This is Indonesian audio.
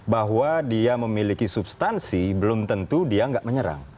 bahwa dia memiliki substansi belum tentu dia tidak menyerang